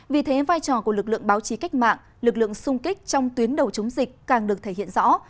vì thế vai trò của lực lượng báo chí cách mạng lực lượng sung kích trong tuyến đầu chống dịch càng được thể hiện rõ